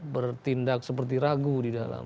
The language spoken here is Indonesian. bertindak seperti ragu di dalam